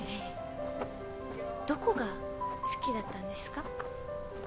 どこが好きだったんですか？